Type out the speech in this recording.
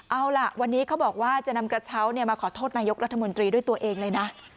เอาล่ะวันนี้เขาบอกว่าจะนำกระเช้ามาขอโทษนายกรัฐมนตรีด้วยตัวเองเลยนะ